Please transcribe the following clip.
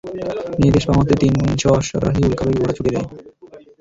নির্দেশ পাওয়া মাত্রই তিনশ অশ্বারোহী উল্কাবেগে ঘোড়া ছুটিয়ে দেয়।